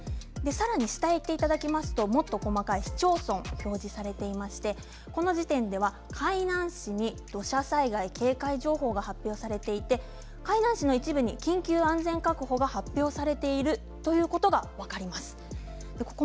下へいきますと細かい市町村が表示されていてこの時点では海南市に土砂災害警戒情報が発表されていて一部に緊急安全確保が発表されているということが分かります。